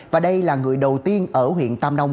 và đây là người đầu tiên ở huyện tàm đông